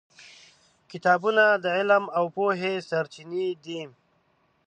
کتابونه د علم او پوهې سرچینې دي.